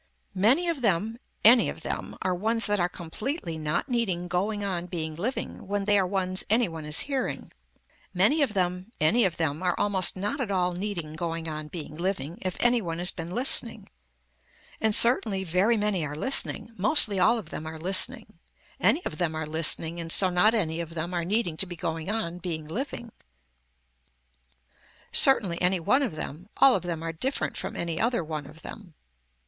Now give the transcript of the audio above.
Many of them, any of them are ones that are completely not needing going on being living when they are ones any one is hearing. Many of them, any of them are almost not at all needing going on being living if any one has been listening. And certainly very many are listening, mostly all of them are listening, any of them are listening and so not any of them are needing to be going on being living. Certainly any one of them, all of them are different from any other one of them.